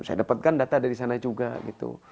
saya dapatkan data dari sana juga gitu